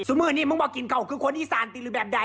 บนึงนึงบอกกินเขาก็คนอีสานที่ครึกแบบได้